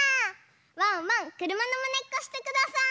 ワンワンくるまのまねっこしてください。